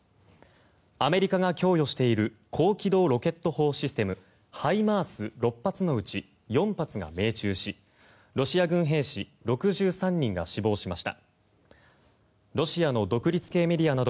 アメリカが供与している高機動ロケット砲システムＨＩＭＡＲＳ６発のうち４発が命中しロシア軍兵士６３人が死亡しました。